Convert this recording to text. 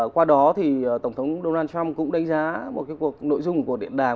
qua đó thì tổng thống donald trump cũng đánh giá một cuộc nội dung của cuộc điện đàm